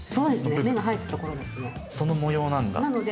その模様なんだ。